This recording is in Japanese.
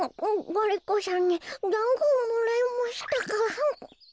ガリ子さんにだんごをもらいましたから。